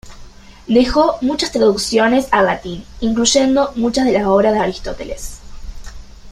Dejó muchas traducciones al latín, incluyendo muchas de las obras de Aristóteles.